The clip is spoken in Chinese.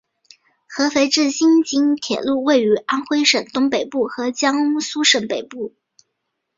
合肥至新沂铁路位于安徽省东北部和江苏省北部。